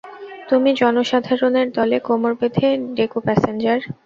তুমি জনসাধারণের দলে, কোমর বেঁধে ডেক-প্যাসেঞ্জার।